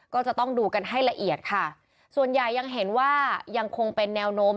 ก็จะต้องดูกันให้ละเอียดค่ะส่วนใหญ่ยังเห็นว่ายังคงเป็นแนวโน้ม